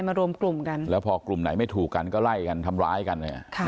รวมกลุ่มกันแล้วพอกลุ่มไหนไม่ถูกกันก็ไล่กันทำร้ายกันเนี่ย